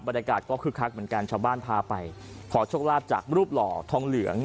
บรรยากาศก็คึกคักเหมือนกันชาวบ้านพาไปขอโชคลาภจากรูปหล่อทองเหลือง